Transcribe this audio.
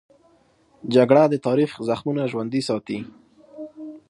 جګړه د تاریخ زخمونه ژوندي ساتي